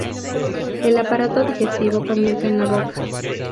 El aparato digestivo comienza en la boca.